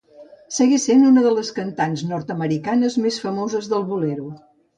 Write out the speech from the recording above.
Segueix sent una de les cantants nord-americanes més famoses del Bolero.